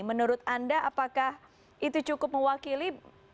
menurut anda apakah itu cukup mewakili